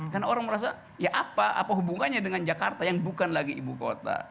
karena orang merasa ya apa hubungannya dengan jakarta yang bukan lagi ibu kota